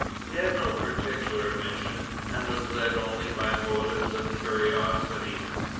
He had no particular mission, and was led only by motives of curiosity.